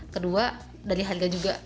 kedua dari harga juga